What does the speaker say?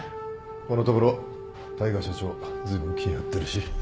このところ大海社長ずいぶん気張ってるし。